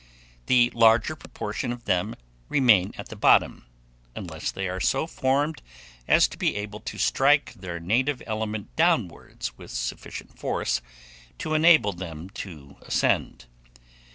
The larger proportion of them remain at the bottom, unless they are so formed as to be able to strike their native element downwards with sufficient force to enable them to ascend.